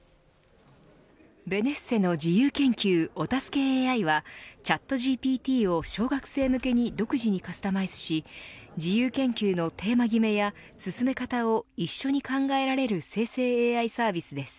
ベネッセの自由研究お助けＡＩはチャットＧＰＴを小学生向けに独自にカスタマイズし自由研究のテーマ決めや進め方を一緒に考えられる生成ＡＩサービスです。